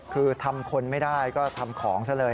คือทำคนไม่ได้ก็ทำของซะเลย